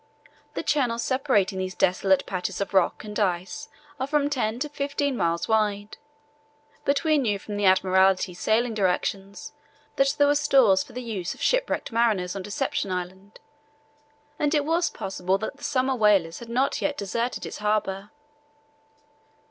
The channels separating these desolate patches of rock and ice are from ten to fifteen miles wide. But we knew from the Admiralty sailing directions that there were stores for the use of shipwrecked mariners on Deception Island, and it was possible that the summer whalers had not yet deserted its harbour.